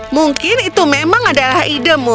mungkin itu memang adalah idemu